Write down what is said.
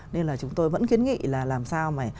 nên là chúng tôi vẫn kiến nghị là làm sao mà